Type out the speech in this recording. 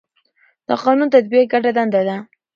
د قانون تطبیق ګډه دنده ده